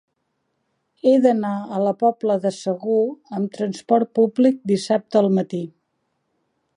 He d'anar a la Pobla de Segur amb trasport públic dissabte al matí.